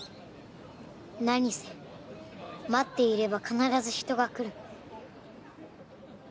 何せ待っていれば必ず人が来る。